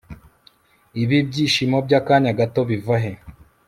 Ibi byishimo byakanya gato biva he